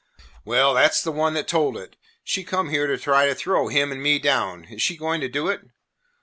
"Well, that 's the one that told it; she 's come here to try to throw him and me down. Is she going to do it?"